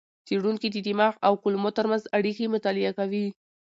څېړونکي د دماغ او کولمو ترمنځ اړیکې مطالعه کوي.